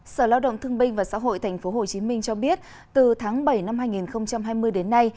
sở lao động thương binh và xã hội tp hcm cho biết từ tháng bảy năm hai nghìn hai mươi đến nay